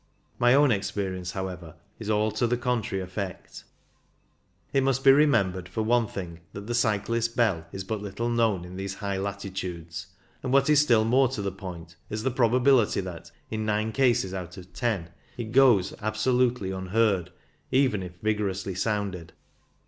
My own experience, however, is all to the contrary effect. It must be remem bered, for one thing, that the cyclist's bell is but little known in these high latitudes ; and what is still more to the point is the probability that, in nine cases out of ten, it goes absolutely unheard even if vigorously sounded.